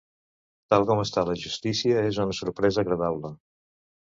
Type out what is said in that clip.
Tal com està la justícia, és una sorpresa agradable.